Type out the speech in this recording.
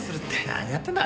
何やってんだ？